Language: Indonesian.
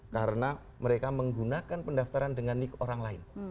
karena mereka menggunakan pendaftaran dengan nick orang lain